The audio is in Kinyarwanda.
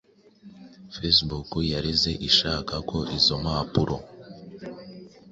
Facebook yareze ishaka ko izo mpapuro